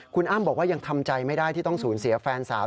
คุณอ้ำบอกว่ายังทำใจไม่ได้ที่ต้องสูญเสียแฟนสาว